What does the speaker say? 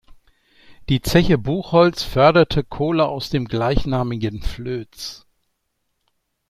Die Zeche Buchholz förderte Kohle aus dem gleichnamigen Flöz.